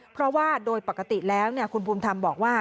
เพราะว่าโดยปกติแล้วคุณภูมิธรรมบอกว่า